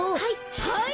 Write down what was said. はい。